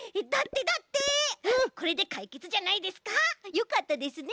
よかったですね